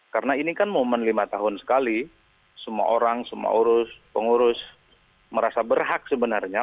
karena ini kan momen lima tahun sekali semua orang semua urus pengurus merasa berhak sebenarnya